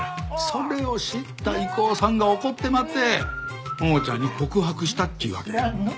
それを知った郁夫さんが怒ってまって桃ちゃんに告白したっちゅうわけよ。